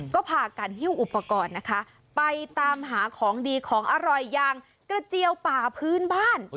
ก็พากันหิ้วอุปกรณ์นะคะไปตามหาของดีของอร่อยอย่างกระเจียวป่าพื้นบ้าน